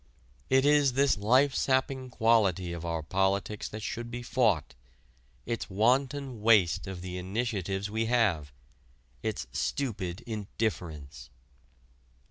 It is this life sapping quality of our politics that should be fought its wanton waste of the initiatives we have its stupid indifference.